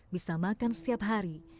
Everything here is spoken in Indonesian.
bisa makan setiap hari